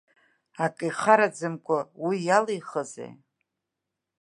Акы ихараӡамкәа, уи иалеихызи?